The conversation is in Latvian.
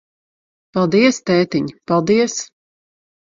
Paldies, tētiņ, paldies.